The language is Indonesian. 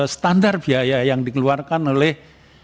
standar biaya yang dikeluarkan oleh